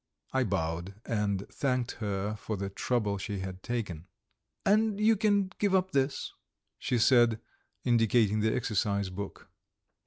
I bowed and thanked her for the trouble she had taken. "And you can give up this," she said, indicating the exercise book.